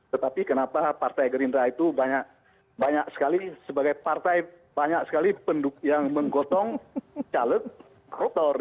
tetapi kenapa partai gerindra itu banyak sekali sebagai partai banyak sekali yang menggotong caleg koruptor